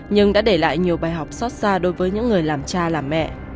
nhưng đã để lại nhiều bài học xót xa đối với những người làm cha làm mẹ